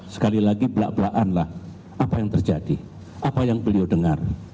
sekali lagi belak belakanlah apa yang terjadi apa yang beliau dengar